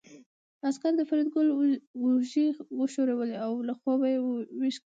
عسکر د فریدګل اوږې وښورولې او له خوبه یې ويښ کړ